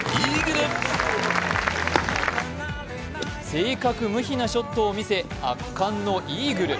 正確無比なショットを見せ圧巻のイーグル。